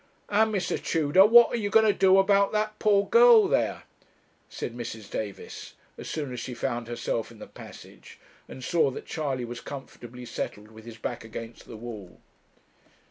'And, Mr. Tudor, what are you a going to do about that poor girl there?' said Mrs. Davis, as soon as she found herself in the passage, and saw that Charley was comfortably settled with his back against the wall.